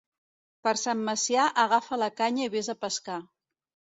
Per Sant Macià agafa la canya i ves a pescar.